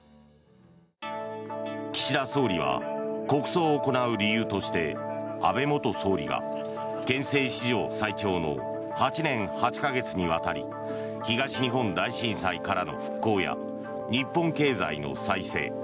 岸田総理は国葬を行う理由として安倍元総理が憲政史上最長の８年８か月にわたり東日本大震災からの復興や日本経済の再生